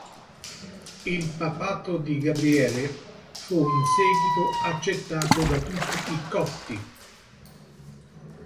Il papato di Gabriele fu in seguito accettato da tutti i copti.